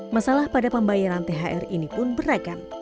masalah pada pembayaran thr ini pun beragam